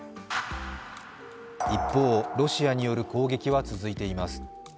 一方、ロシアによる攻撃は続いています。